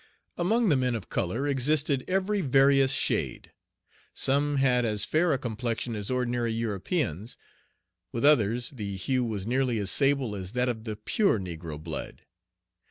Among the men of color existed every various shade. Some had as fair a complexion as ordinary Europeans; with others, the hue was nearly as sable as that of the pure negro blood.